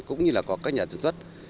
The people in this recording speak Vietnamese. cũng như các nhà dân xuất